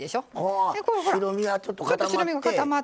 あ白身がちょっと固まって。